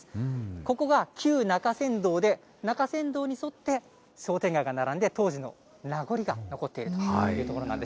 ここが旧中山道で、中山道に沿って商店街が並んで、当時のなごりが残っているという所なんです。